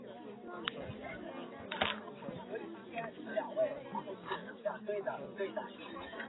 而新竹州辖下的苗栗郡公馆庄亦受波及。